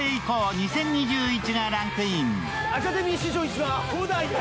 ２０２１」がランクイン。